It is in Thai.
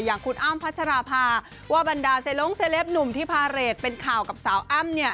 อย่างคุณอ้ำพัชราภาว่าบรรดาเซลงเซลปหนุ่มที่พาเรทเป็นข่าวกับสาวอ้ำเนี่ย